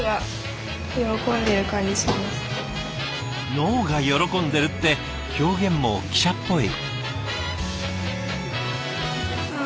脳が喜んでるって表現も記者っぽい。